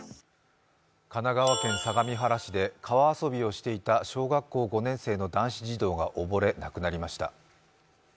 神奈川県相模原市で川遊びをしていた小学校５年生の男子児童が溺れ、亡くなりました。